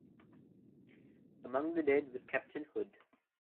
Among the dead was Captain Hood.